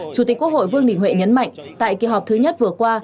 chủ tịch quốc hội vương đình huệ nhấn mạnh tại kỳ họp thứ nhất vừa qua